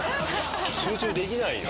集中できないよ。